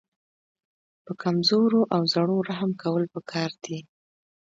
په کمزورو او زړو رحم کول پکار دي.